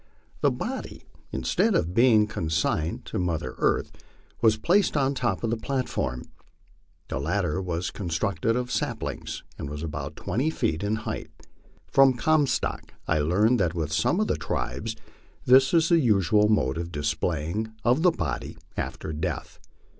The body, instead of being consigned to mother earth, was placed on top of the platform. The latter was constructed of saplings, and was about twenty feet in height. From Comstock I learned that with some of the tribes this is the usual mode of disposing of the body after death.